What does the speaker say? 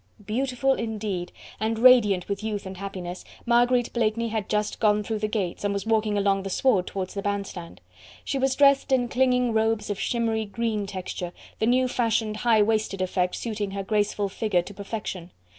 Beautiful indeed, and radiant with youth and happiness, Marguerite Blakeney had just gone through the gates and was walking along the sward towards the band stand. She was dressed in clinging robes of shimmery green texture, the new fashioned high waisted effect suiting her graceful figure to perfection.